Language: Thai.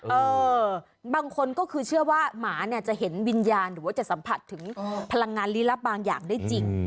เออบางคนก็คือเชื่อว่าหมาเนี่ยจะเห็นวิญญาณหรือว่าจะสัมผัสถึงพลังงานลี้ลับบางอย่างได้จริง